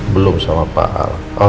belum sama pak al